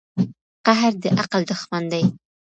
قهر د عقل دښمن دی.